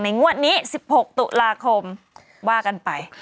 งวดนี้๑๖ตุลาคมว่ากันไป